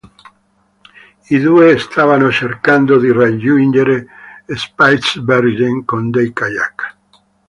I due stavano cercando di raggiungere Spitsbergen con dei kayak.